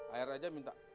akhir aja minta